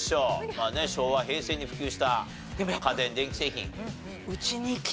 まあね昭和・平成に普及した家電・電気製品。